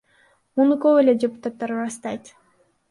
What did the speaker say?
Муну көп эле депутаттар ырастайт.